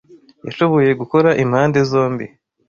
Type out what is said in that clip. Yashoboye gukora impande zombi.